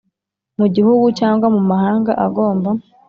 mu Gihugu cyangwa mu mahanga agomba